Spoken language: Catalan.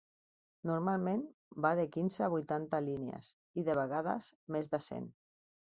Normalment va de quinze a vuitanta línies i, de vegades, més de cent.